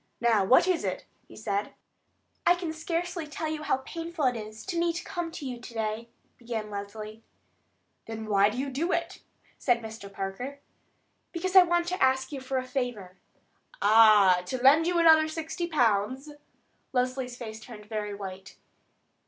"Now, what is it?" he said. "I can scarcely tell you how painful it is to me to come to you to day," began Leslie. "Then why do you do it?" said Mr. Parker. "Because I want to ask you for a favor." "Ah, to lend you another sixty pounds?" Leslie's face turned very white.